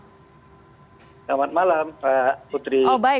selamat malam pak putri